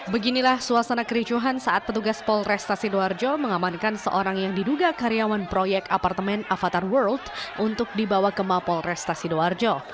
beginilah suasana kericuhan saat petugas polrestasi doarjo mengamankan seorang yang diduga karyawan proyek apartemen avatar world untuk dibawa ke mapol resta sidoarjo